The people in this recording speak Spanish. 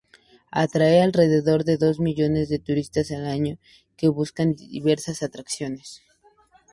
Atrae a alrededor de dos millones de turistas al año que buscan diversas atracciones.